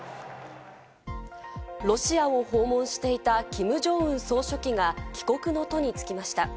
ロシアを訪問していたキム・ジョンウン総書記が帰国の途につきました。